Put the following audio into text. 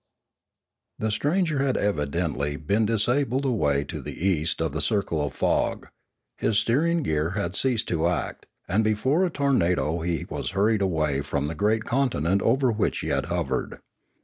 The stranger had evidently been disabled away to the east of the circle of fog; his steering gear had ceased to act, and before a tornado he was hurried away from the great continent over which he had hovered.